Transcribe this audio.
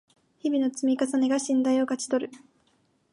日々の積み重ねが信頼を勝ち取る